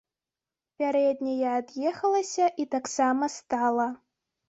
Пярэдняя ад'ехалася і таксама стала.